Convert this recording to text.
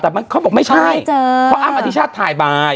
แต่เขาบอกไม่ใช่เพราะอ้ำอธิชาติถ่ายบาย